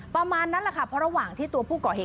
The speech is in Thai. ประมาณนั้นแหละค่ะเพราะระหว่างที่ตัวผู้ก่อเหตุ